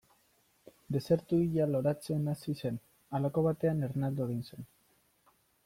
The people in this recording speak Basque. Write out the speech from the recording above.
Desertu hila loratzen hasi zen, halako batean ernaldu egin zen.